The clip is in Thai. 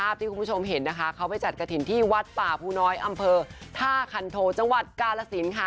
ที่คุณผู้ชมเห็นนะคะเขาไปจัดกระถิ่นที่วัดป่าภูน้อยอำเภอท่าคันโทจังหวัดกาลสินค่ะ